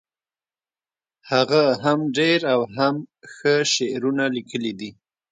هغه هم ډیر او هم ښه شعرونه لیکلي دي